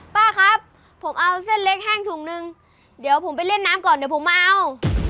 ป้าครับผมเอาเส้นเล็กแห้งถุงนึงเดี๋ยวผมไปเล่นน้ำก่อนเดี๋ยวผมมาเอา